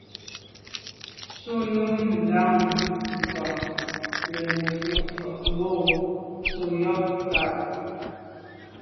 Njù num ndàn njon le’njù fa bo sô yub nkage.